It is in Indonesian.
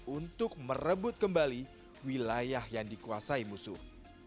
untuk merebut kembali wilayah yang dikuasai musuh